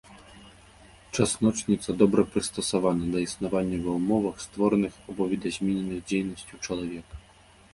Часночніца добра прыстасавана да існавання ва ўмовах, створаных або відазмененых дзейнасцю чалавека.